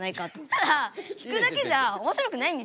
ただ弾くだけじゃおもしろくないんですよ。